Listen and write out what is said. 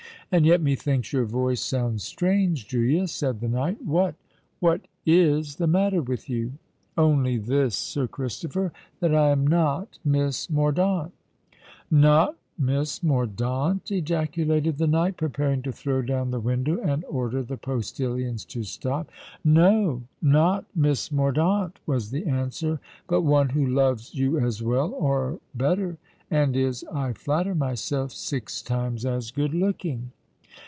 "And yet—methinks your voice sounds strange, Julia," said the knight. "What—what is the matter with you?" "Only this, Sir Christopher—that I am not Miss Mordaunt——" "Not Miss Mordaunt!" ejaculated the knight, preparing to throw down the window and order the postillions to stop. "No—not Miss Mordaunt," was the answer: "but one who loves you as well—or better—and is, I flatter myself, six times as good looking."